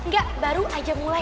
enggak baru aja mulai